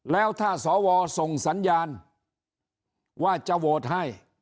แล้วถ้าสวส่งสัญญาณว่าจะโหวตให้